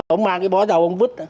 ông mang cái bó dầu ông vứt